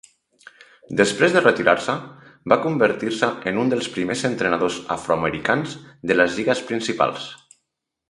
Després de retirar-se, va convertir-se en un dels primers entrenadors afroamericans de les lligues principals.